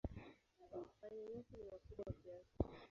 Panya-nyasi ni wakubwa kiasi.